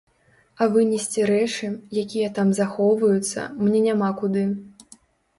А вынесці рэчы, якія там захоўваюцца, мне няма куды.